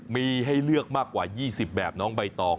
มีให้เลือกมากกว่า๒๐แบบน้องใบตอง